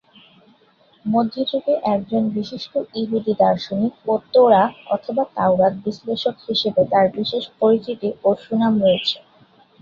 মধ্যযুগের একজন বিশিষ্ট ইহুদি দার্শনিক ও তোরাহ/তাউরাত বিশ্লেষক হিসেবে তার বিশেষ পরিচিতি ও সুনাম রয়েছে।